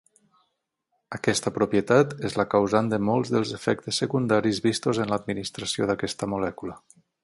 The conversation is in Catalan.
Aquesta propietat és la causant de molts dels efectes secundaris vistos en l'administració d'aquesta molècula.